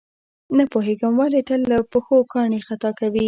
نه پوهېږم ولې تل له پښو کاڼي خطا کوي.